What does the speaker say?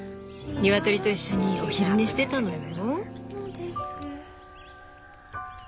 鶏と一緒にお昼寝してたのよ。